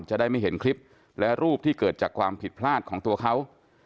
จะได้ไม่เห็นคลิปและรูปที่เกิดจากความผิดพลาดของตัวเขา